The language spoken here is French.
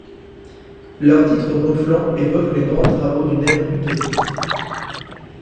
Leur titre ronflant évoque les grands travaux d'une ère utopique.